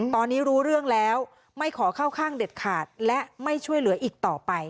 ตอนนี้รู้เรื่องแล้วไม่ขอเข้าข้างเด็ดขาดและไม่ช่วยเหลืออีกต่อไป